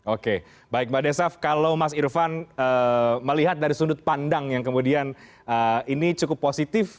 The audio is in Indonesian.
oke baik mbak desaf kalau mas irvan melihat dari sudut pandang yang kemudian ini cukup positif